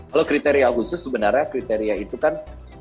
kalau kriteria khusus sebenarnya kriteria itu kan